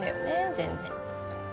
全然。